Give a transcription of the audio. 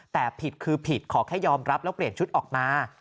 แต่ผิดคือผิดขอแค่ยอมรับแล้วเปลี่ยนชุดออกมา